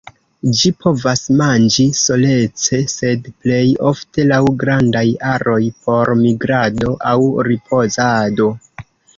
Ĝi povas manĝi solece sed plej ofte laŭ grandaj aroj por migrado aŭ ripozado.